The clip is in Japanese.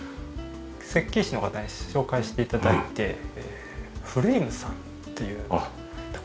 設計士の方に紹介して頂いてフレイムさんっていうところで。